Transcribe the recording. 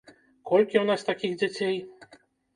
Колькі ў нас такіх дзяцей?